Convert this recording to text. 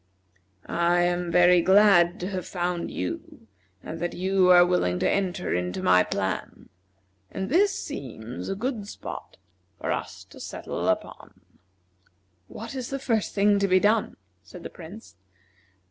I am very glad to have found you and that you are willing to enter into my plan; and this seems a good spot for us to settle upon." "What is the first thing to be done?" said the Prince.